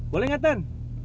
boleh nggak tan